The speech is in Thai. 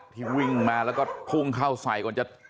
ที่วิ่งมาแล้วก็พุ่งเข้าใส่ก่อนจะ